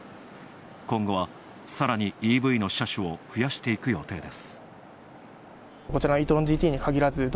今後はさらにＥＶの車種を増やしていく予定です。